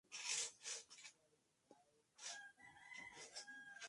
El gobierno de Corea del Norte se separó del Tratado de No Proliferación Nuclear.